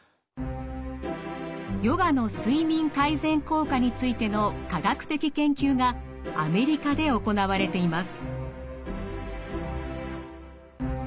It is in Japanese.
ヨガの睡眠改善効果についての科学的研究がアメリカで行われています。